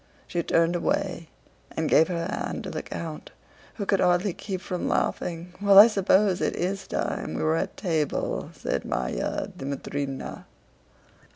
She turned away and gave her hand to the count, who could hardly keep from laughing. "Well, I suppose it is time we were at table?" said Márya Dmítrievna.